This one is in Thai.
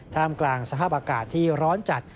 กลางสภาพอากาศที่ร้อนจัด